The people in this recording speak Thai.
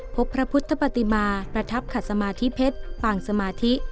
พระพุทธปฏิมาประทับขัดสมาธิเพชรปางสมาธิ